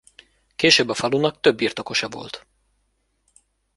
Később a falunak több birtokosa volt.